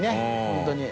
本当に。